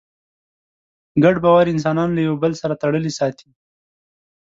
ګډ باور انسانان له یوه بل سره تړلي ساتي.